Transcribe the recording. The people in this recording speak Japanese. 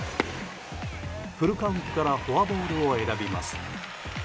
フルカウントからフォアボールを選びます。